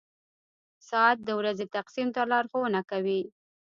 • ساعت د ورځې تقسیم ته لارښوونه کوي.